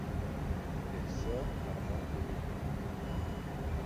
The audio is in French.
Elle sort par l’angle de droite.